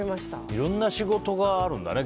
いろんな仕事があるんだね。